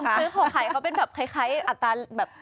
ซื้อของขายเขาเป็นแบบคล้ายอัตราแบบ